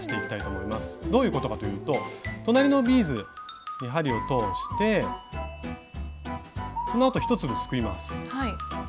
どういうことかというと隣のビーズに針を通してそのあと１粒すくいます。